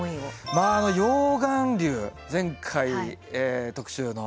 まあ溶岩流前回特集の。